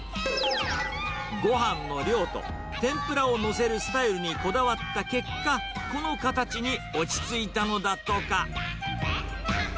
ごはんの量と天ぷらを載せるスタイルにこだわった結果、この形に落ち着いたのだとか。